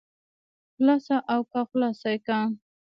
خلاصه که او خلاصه که.